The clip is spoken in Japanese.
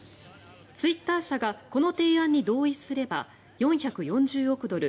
ツイッター社がこの提案に同意すれば４４０億ドル